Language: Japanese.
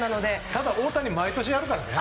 ただ、大谷は毎年やるからね。